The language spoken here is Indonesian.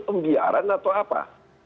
pembiaran atau apa